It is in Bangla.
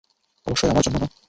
অবশ্যই আমার জন্য না।